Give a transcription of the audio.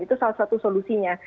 itu salah satu solusinya